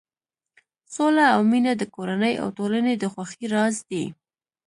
سوله او مینه د کورنۍ او ټولنې د خوښۍ راز دی.